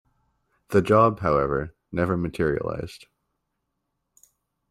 The job, however, never materialised.